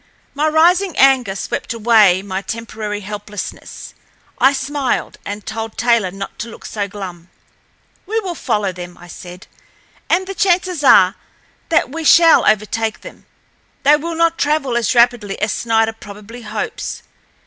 My rising anger swept away my temporary helplessness. I smiled, and told Taylor not to look so glum. "We will follow them," I said, "and the chances are that we shall overtake them. They will not travel as rapidly as Snider probably hopes.